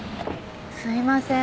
すいません